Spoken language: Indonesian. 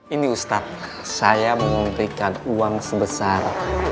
ini ustadz saya memberikan uang sebesar